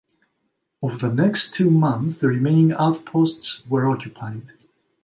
Over the next two months the remaining outposts were occupied.